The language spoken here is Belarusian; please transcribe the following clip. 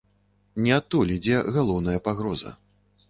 Не адтуль ідзе галоўная пагроза.